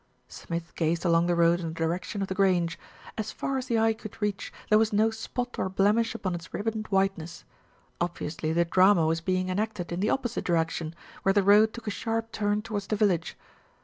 Smith gazed along the road in the direction of The Grange. As far as the eye could reach there was no spot or blemish upon its ribboned whiteness. Obvi ously the drama was being enacted in the opposite direc tion, where the road took a sharp turn towards the village.